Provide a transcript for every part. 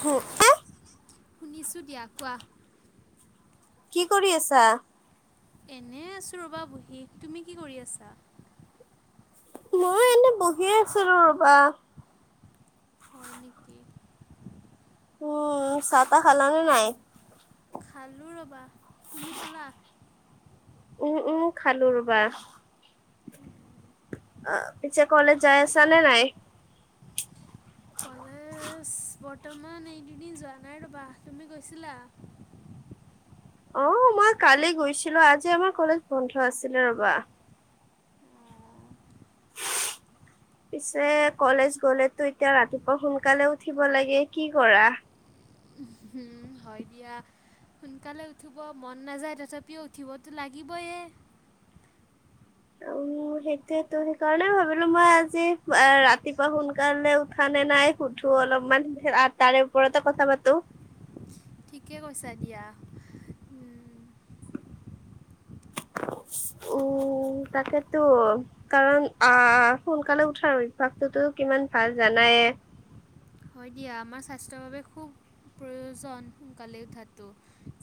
হু এহ শুনিছোঁ দিয়া কোৱা কি কৰি আছা এনে আছোঁ ৰ'বা বহী তুমি কি কৰি আছা এ' বহিয়ে আছো ৰ ৰবা। হয় নেকি? উম চাহ-তাহঁ খালেনে নাই? খালোঁ ৰ'বা তুমি খালা উম উম খালো ৰবা অ পিছে কলেজ যাই আছা নে নাই কলেজ ব বৰ্তমান এই দুদিন যোৱা নাই ৰ'বা। তুমি গৈছিলা? অ মই কালি গৈছিলো আজি আমাৰ কলেজ বন্ধ আছিলে ৰবা [unintelligible] পিছে কলেজ গলেতো এতিয়া ৰাতিপুৱা সোনকালে উঠিব লাগে কি কৰা উম হয় দিয়া সোনকালে উঠিব মন নাযায় তথাপিও উঠিবতো লাগিবয়ে [unintelligible] উম সেইটোৱেতো সেইকাৰণে ভাবিলো মই আজি ৰাতিপুৱা সোনকালে উঠা নে যে নাই সোধো অলপমান তাৰে ওপৰতে কথা পাতো ঠিকে কৈছা দিয়া ও উ তাকেতো কাৰণ আহ সোনকালে উঠাৰ অভ্যাসটোতো কিমান ভাল জানাই তে হয় দিয়া আমাৰ স্বাস্থ্যৰ বাবে খুব প্ৰয়োজন সোনকালে উঠাটো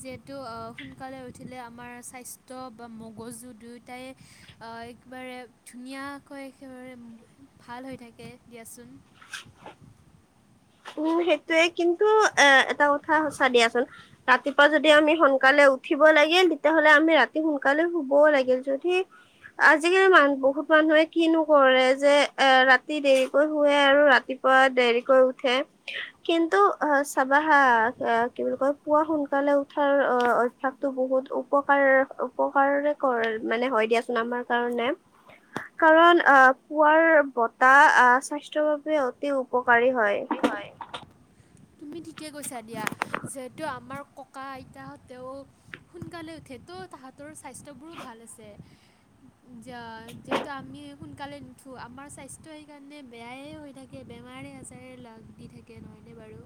যিহেতু সোনকালে উঠিলে আমাৰ স্বাস্থ্য বা মগজু দুয়োটাই একেবাৰে ধুনীয়াকৈ একেবাৰে ভাল হৈ থাকে দিয়াচোন হয়। উম', সেইটোয়ে কিন্তু এ এটা কথা সঁচা দিয়াচোন ৰাতিপুৱা যদি আমি সোনকালে উঠিব লাগিল তেতিয়াহ'লে আমি ৰাতি সোনকালে শুব লাগিল যদি আজিকালি মান বহুত মানুহে কিনো কৰে যে এ ৰাতি দেৰিকৈ শুৱে আৰু ৰাতি পুৱা দেৰিকৈ উ উঠে কিন্তু আহ চাবাহা কি বুলি কয় পুৱা সোনকালে উঠাৰ অহ অভ্যাসটো বহুত উপকাৰ উপকাৰ কৰে মানে হয় দিয়াচোন আমাৰ কাৰণে কাৰণ অ পুৱাৰ বতাহ আহ স্বাস্থ্যৰ বাবে অতি উপকাৰী হয় ঠিকেই হয় তুমি ঠিকে কৈছা দিয়া যিহেতু আমাৰ ককা - আইতাহঁতেও সোনকালে উঠে তো তাহাঁতৰ স্বাস্থ্যবোৰো ভাল আছে। যিহেতু আমি সোনকালে নুঠো আমাৰ স্বাস্থ্যৰ সেইকাৰণে বেয়াই হৈ থাকে আমাৰে সচাঁৰে লগ দি থাকে নহয়নে বাৰু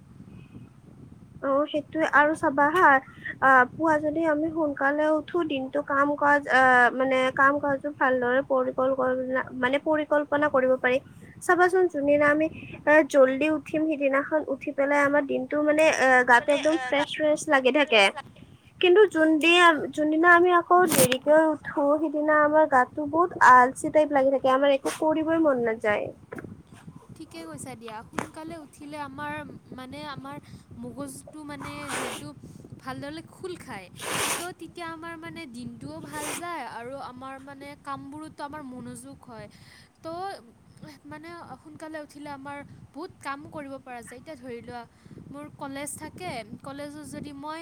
অ সেইটোয়ে আৰু চাবা হা আ পুৱা যদি আমি সোনকালে উঠো দিনটো কাম কৰা আহ মানে কাম কাজো ভালদৰে পৰিকল্প মানে পৰিকল্পনা কৰিব পাৰি। চাবাচোন যোনদিনা আমি এ জল্দি উঠিম সিদিনাখন উঠি পেলাই আমাৰ দিনতটো মানে এ গাটো একদম ফ্ৰেছ ফ্ৰেছ লাগি থাকে কিন্তু যোনদি যোনদিনা আমি আকৌ দেৰিকে উঠো সিদিনা আমাৰ গাতটো বহুত আল চিটাইপ লাগি থাকে আৰু একো কৰিবই মন নাযা'য়। ঠিকে কৈছা দিয়া সোনকালে উঠিলে আমাৰ মানে আমাৰ মগজুটো মানে যিহেতু ভালদৰলে খোল খায় তো তেতিয়া আমাৰ মানে দিনটোও ভাল যায় আৰু আমাৰ মানে কামবোৰতো আমাৰ মনোযোগ হয় তো মানে সোনকালে উঠিলে আমাৰ বহুত কাম কৰিব পৰা যায় এতিয়া ধৰি লোৱা মোৰ কলেজ থাকে কলেজত যদি মই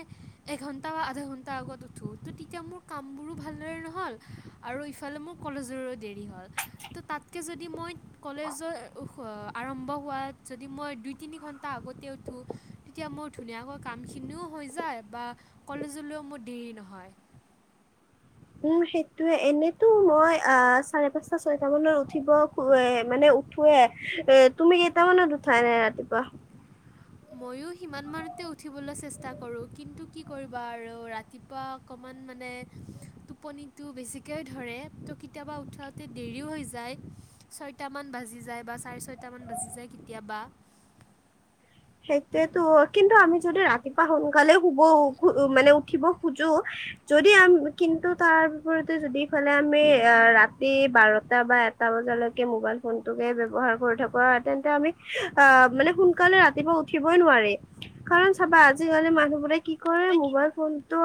এঘণ্টা বা আধা ঘণ্টা আগত উঠো তো তেতিয়া মোৰ কামবোৰো ভালদৰে নহ'ল আৰু ইফালে মোৰ কলেজৰো দেৰি হ'ল তো তাতকৈ যদি মই কলেজৰ আৰম্ভ হোৱাত যদি মই দুই তিনি ঘণ্টা আগতে উঠোঁ তেতিয়া মোৰ ধুনীয়াকৈ কামখিনি কিনিও হৈ যায় বা কলেজলৈও মোৰ দেৰি নহয় [unintelligible] উম সেইটোয়ে এনেতো মই আ চাৰে পাঁচটা ছয়ত মানত উঠিব খ মানে উঠোৱে এ তুমি কেইটামানত উঠা এনে ৰাতিপুৱা? ময়ো সিমান মানতে উঠিবলৈ চেষ্টা কৰো কিন্তু কি কৰিবা আৰু ৰাতিপুৱা অকমান মানে টোপনিটো বেছিকৈ ধৰে ত' কেতিয়াবা উঠাতে দেৰিও হৈ যায় ছয়টামান বা বাজি যায় বা চাৰে ছয়টা মান বাজি যায় কেতিয়াবা। [unintelligible] সেইটোয়েতো কিন্তু আমি যদি ৰাতিপুৱা সোনকালে শুব মানে উঠিব খোজো যদি আম কিন্তু তাৰ বিপৰীতে যদিফালে আমি ৰাতি বাৰটা বা এটা বজালৈকে মবাইল ফোনটোকে ব্যবহাৰ কৰি থাকো আৰু তেন্তে আমি আহ মানে সোনকালে ৰা ৰাতিপুৱা উঠিবই নোৱাৰি কাৰণ চাবা আজিকালি মানুহবোৰে কি কৰে মোবাইল ফোনটো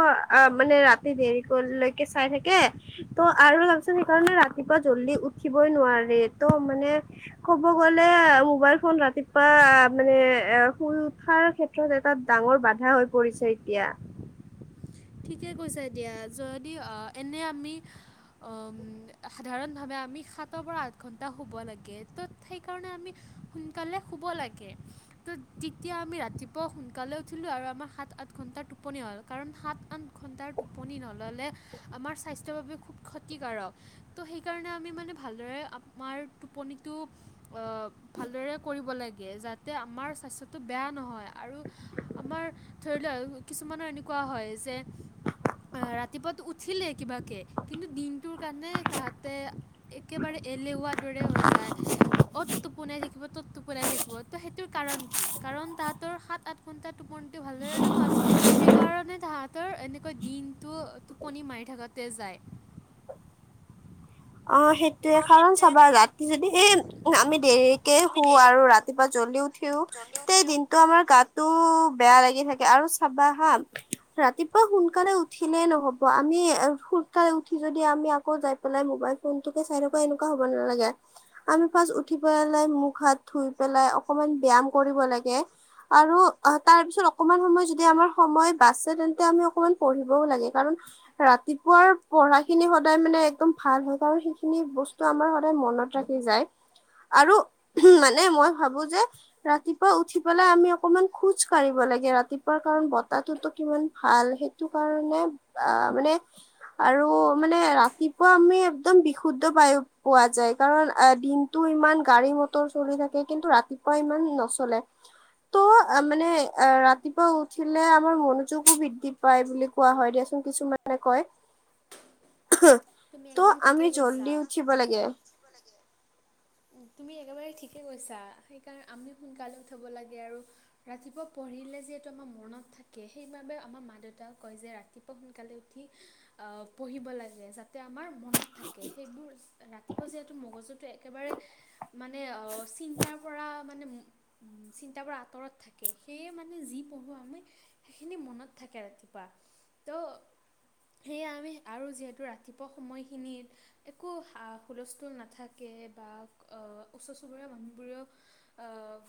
মানে ৰাতি দেৰি কৰিলে চাই থাকে ত' আৰু ভাবচোন সেইকাৰণে ৰাতিপুৱা জল্দি উঠিবই নোৱাৰে ত' মানে ক'ব গ'লে মোবাইল ফোন ৰাতিপুৱা মানে এ শুই উঠাৰ ক্ষেত্ৰত এটা ডাঙৰ বাধা হৈ পৰিছে এতিয়া ঠিকে কৈছে এতিয়া যদি এনে আমি উ সাধাৰণ ভাৱে আমি সাতৰ পৰা- আঠ ঘন্টা শুব লাগে ত সেইকাৰণে আমি সোনকালে শুব লাগে ত তেতিয়া আমি ৰাতিপুৱা সোনকালে উঠিলো আৰু আমাৰ সাত সাত ঘণ্টা টোপনি হ'ল কাৰণ সাত আঠ তাৰ টোপনি নল'লে আমাৰ স্বাস্থ্যৰ বাবে খোব ক্ষতিকাৰক ত'হেইকাৰনে ভালদৰে আমাৰ টোপনিটো অ ভালদৰে কৰিব লাগে যাতে আমাৰ স্বাস্থ্যটো বেয়া নহয় আৰু আমাৰ ধৰি লওক কিছুমানৰ এনেকোৱা হয় যে [unintelligible] অ ৰাতিপুৱাত উঠিলে কিবাকে কিন্তু দিনটোৰ কাৰণে তাহাতে একেবাৰে এল এলেহুৱা দৰে হৈ যায় অ'ত টোপোনাই থাকিব ত'ত টোপোনাই থাকিব ত সেইটোৰ কাৰণ কি কাৰণ তাহাতৰ সাত - আঠ ঘন্টা টোপনিটো ভালদৰে নহয়। সেইকাৰণে তাহা তৰ এনেকৈ দিনটো টোপনি মাৰি থাকোতে যায় অ সেইটোয়ে কাৰণ চাবা ৰাতি যদি সেই আমি দেৰিকে শু আৰু ৰাতিপুৱা জ্বলিও উঠিও তেই দিনটো আমাৰ গা'তো বেয়া লাগি থাকে আৰু চাবা হা ৰাতিপুৱা সোনকালে উঠিলে নহব আমি সোনকালে উঠি যদি আমি আকৌ যাই পেলাই মোবাইল ফোনটোকে চাই থকা এনকা হ'ব নালাগে। আমি ফাচ উঠি পেলায় মোখ- হা'ত ধুই পেলাই অ'কমান ব্যায়াম কৰিব লাগে আৰু তাৰপিছত অকমান সময় যদি আমাৰ সময় বাছে তে ন্তে আমি অকমান পঢ়িবও লাগে কাৰণ ৰাতিপুৱাৰ পঢ়াখিনি সদায় মানে একদম ভাল হয়। বা সেইখিনি বস্তু আমাৰ সদায় মনত ৰাখি যায়। আৰু মানে মই ভাবো যে ৰাতিপুৱা উঠি পেলাই আমি অকমান খোজ কাঢ়িব লা লাগে ৰাতিপুৱা কাৰণ বতাহটোতো কিমান ভাল সেইটো কাৰণে আহ মানে আৰু মানে ৰাতিপুৱা আমি একদম বিশুদ্ধ বায়ু পোৱা যায় কাৰণ দিনটো ইমান গাড়ী মটৰ চলি থাকে কিন্তু ৰাতি পোৱা অ ইমান নচলে ত' মানে অ ৰাতিপুৱা উঠিলে আমাৰ মনোযোগো বৃদ্ধি পাই বুলি কোৱা হয় দিয়াচোন কিছুমানে কয়। ওহো তুমি একদম ত' আমি ঠিকেই কৈছা জল্দি উঠিব লাগে। লাগে তুমি একেবাৰে ঠিকে কৈছা সেইকাৰণে আমি সোনকালে উঠিব লাগে আৰু ৰাতিপুৱা পঢ়িলে যিহেতু আমাৰ মনত থাকে সেইবাবে মা আমাৰ মা দেউতাই কৈ যে ৰাতিপুৱা সোনকালে উঠি পঢ়িব লাগে আমাৰ মনত থাকে সেইবোৰ ৰাতিপুৱা যিহেতু মগজুটো একেবাৰে মানে চিন্তাৰ [inaudible] চিন্তা বাৰ আঁতৰত থাকে সেয়ে মানে যি পঢ়ো আমি সেইখিনি মনত থাকে ৰাতিপুৱা ত' সেয়া আমি আৰু যিহেতু ৰাতিপুৱা [unintelligible] সময়খিনিত একো হুলস্থুল নাথাকে বা ওচৰ চবুৰীয়া ম মানুহ বোৰেও আ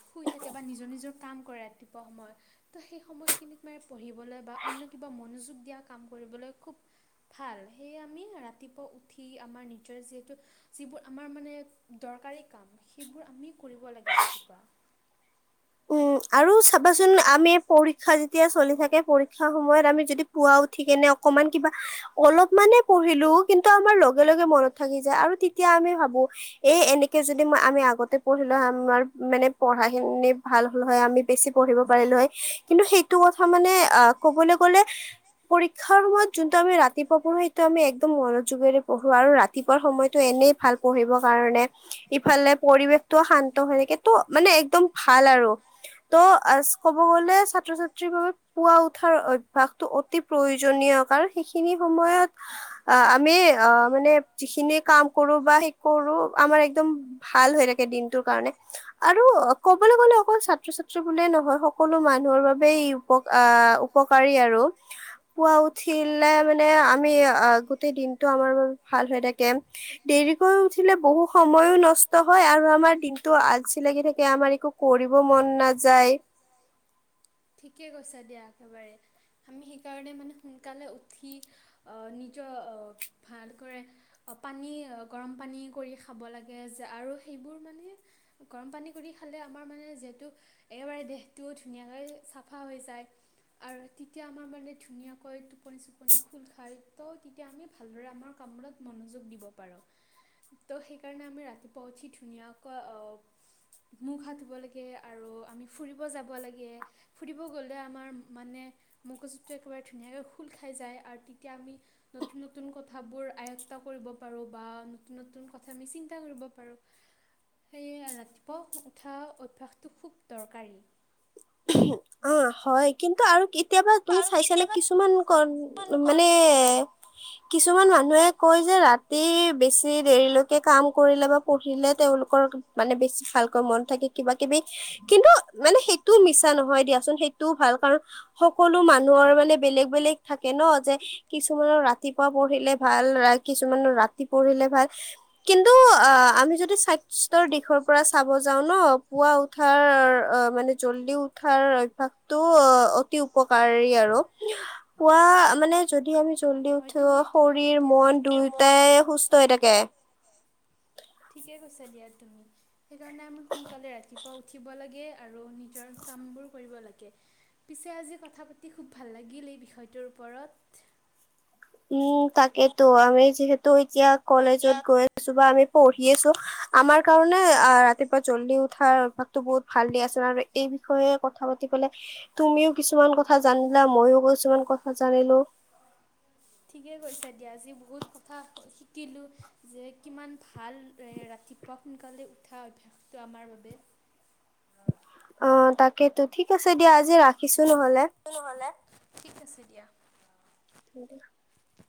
শুই থাকে বা নিজৰ নিজৰ কাম কৰে ৰাতিপুৱা সময়ত ত সেই সময়খিনি [unintelligible] পঢ়িবলৈ বা অন্য কিবা মনোযোগ দিয়া কাম কৰিবলৈ খুব ভাল স আমি ৰাতিপুৱা উঠি আমাৰ নিজৰ যিতু যিবোৰ আমাৰ মানে দৰকাৰী সেইবোৰ আমিকৰিব লাগে ৰাতিপুৱা। উ আৰু চাবাচোন আমি পৰীক্ষা যেতিয়া চলি থাকে পৰীক্ষা সময়ত আমি যদি পুৱা উঠি কেনে [unintelligible] অকমান কিবা অলপ মানে পঢ়িলো কিন্তু আমাৰ লগে লগে মনত থাকি যায় আৰু তেতিয়া আমি [unintelligible] ভাবো এ এনেকে যদি আমি আগতে পঢ়িলো আমাৰ মানে পঢ়াখিনি [unintelligible] ভাল হল হয় আমি বেছি পঢ়িব পাৰিলো হয় কিন্তু সেইটো কথা মানে আহ কবলৈ গলে পৰীক্ষাৰ সময়ত যোনটো আমি ৰাতিপুৱা পঢ়ো সেইটো আমি একদম মনোযোগেৰে [unintelligible] পঢ়ো আৰু ৰাতিপুৱা সময়তো এনেই ভাল পঢ়িবৰ কাৰণে ইফালে পৰিৱেশটোও শান্ত হৈ থ [unintelligible] এইটো মানে একদম ভাল আৰু ত' ক'ব গলে ছাত্ৰ ছাত্ৰীৰ বাবে পুৱা উঠাৰ অভ্যাসটো অতি প্ৰয়োজনীয়। সেইখিনি সময়ত আমি অঁ মানে যিখিনি কাম কৰো বা সেই কৰো আমাৰ একদম ভাল হৈ থাকে দিনটোৰ কাৰণে। আৰু ক'বলৈ গ'লে অকল ছাত্ৰ ছাত্ৰী বুলিয়ে নহয় সকলো মানুহৰ বাবেই ই উপ আহ উপকাৰী আৰু। পুৱা উঠিলে মানে আমি গোটেই দিনতটো আমাৰ বাবে ভাল হৈ থাকে দেৰিক উঠিলে বহু সময়ো নষ্ট হয় আৰু আমাৰ দিনটো আজি লাগি থাকে আমাৰ একো কৰিব মন নাযায়, থিক আছে দিয়া একেবাৰে আমি সেইকাৰণে মানে সোনকালে উঠি অ নিজৰ [inaudible] ভালকৰে পানী গৰম পানী কৰি খাব লাগে যে আৰু সেইবোৰ মানে? গৰম পানী কৰি খালে আমাৰ মানে যিহেতু একেবাৰে দেহটো ধুনীয়াকৈ চাফা হৈ যায়। আৰু তেতিয়া আমাৰ মানে ধুনীয়াকৈ টোপনি চোপনি খোল খাই ত তেতিয়া আমি ভালদৰে আমাৰ কামত মনোযোগ দিব পাৰোঁ ত' সেইকাৰণে আমি ৰাতিপুৱা উঠি ধুনীয়াকৈ আহ মুখ হাত ধুব লাগে আৰু আমি ফুৰিব যাব লাগে ফুৰিব গ'লে আমাৰ মানে মগজুতটো একেবাৰে ধুনীয়াকে খোল খাই যায় আৰু তেতিয়া আমি নতুন নতুন ক কথা বোৰ আয়ত কৰিব পাৰো বা নতুন নতুন কথা আমি চিন্তা কৰিব পাৰো সেয়ে ৰাতিপুৱা শুই উঠা অভ্যাসটো খুব দৰকাৰী অ হয় কিন্তু আৰু কেতিয়াবা তুমি চাইছানে কিছুমান ক মানে কিছুমান মানুহে কয় যে ৰাতি বেছি দেৰিলৈকে কাম কৰিলে বা পঢ়িলে তেওঁলোকৰ মানে বেছি ভালকৈ মন থাকে কিবা কিবি কিন্তু মানে সেইটোও মিছা নহয় কোন সেইটোও ভাল কাৰ সকলো মানুহৰ মানে বেলেগ বেলেগ থাকে ন কিছুমান [unintelligible] ৰাতিপুৱা পঢিলে ভাল কিছুমান ৰাতি পঢ়িলে ভাল কিন্তু আমি য স্বাস্থ্যৰ দিশৰ পৰা চাব যাও ন পুৱা উঠাৰ অ মানে জল্দি উঠা অভ্যাসটো অ অতি উপকাৰী আৰু পুৱা মানে যদি আমি চলি হয় উঠো তুমি একেবাৰে শৰীৰ ঠিকে মন কৈছা দুয়োটাই সুস্থ হৈ থাকে ঠিকে কৈছো দিয়া তুমি সেইকাৰণে মানে সোনকালে ৰাতিপুৱা উঠিব লাগে আৰু নিজৰ কাম বোৰ কৰিব লাগে পিছে আজি কথা পাতি খুব ভাল লাগিল এই বিষয়টোৰ ওপৰত [unintelligible] উম তাকেতো আমি যিহেতু এতিয়া কলেজত গৈ আছো বা আমি পঢ়ি আছো আমাৰ কাৰণে ৰাতিপুৱা জল্লি উঠাৰ অভ্যাসটো বহুত ভাল দিয়া চোন আৰু এই বিষয়ে কথা পাতিবলে তুমিও কিছুমান কথা জানিলা মইও কিছুমান কথা জানিলো [unintelligible] ঠিকে কৈছা দিয়া আজি বহুত কথা শিকিলো যে কিমান ভাল এ ৰাতিপুৱা সোনকালে উঠা অভ্যাসটো আমাৰ বাবে অ তাকেইতো ঠিক আছে দিয়া আজি ৰাখিছো নহলে ঠিক আছে দিয়া [unintelligible]